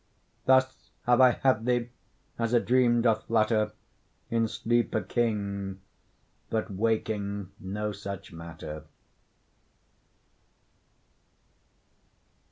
Thus have I had thee, as a dream doth flatter, In sleep a king, but waking no such matter.